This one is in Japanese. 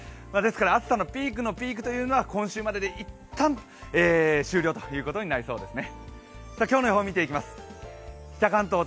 暑さのピークのピークというのは今週までで一旦、終了ということになりそうですね。